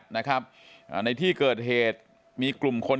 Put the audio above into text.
ในที่เกิดเหตุมีกลุ่มคน